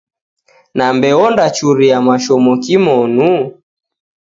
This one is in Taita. Nambe ondachuria mashomo kimonu?